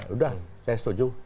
sudah saya setuju